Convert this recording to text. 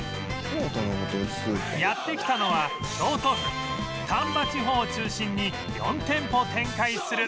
やって来たのは京都府丹波地方を中心に４店舗展開する